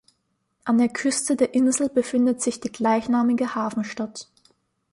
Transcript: An der Küste der Insel befindet sich die gleichnamige Hafenstadt.